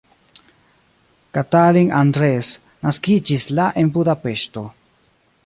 Katalin Andresz naskiĝis la en Budapeŝto.